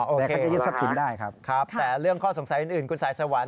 อ๋อโอเคครับครับแต่เรื่องข้อสงสัยอื่นคุณสายสวรรค์